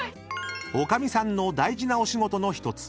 ⁉［おかみさんの大事なお仕事の１つ］